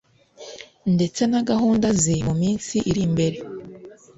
ndetse na gahunda ze mu minsi iri imbere